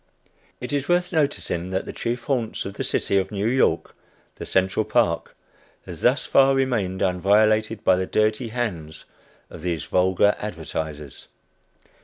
It is worth noticing that the chief haunts of the city of New York, the Central Park, has thus far remained unviolated by the dirty hands of these vulgar advertisers.